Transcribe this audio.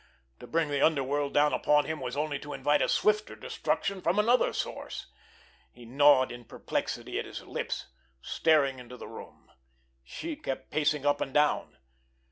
To bring the underworld down upon him was only to invite a swifter destruction from another source. He gnawed in perplexity at his lips, staring into the room. She kept pacing up and down.